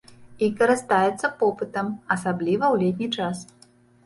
І карыстаецца попытам, асабліва ў летні час.